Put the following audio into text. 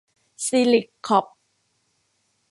ซีลิค คอร์พ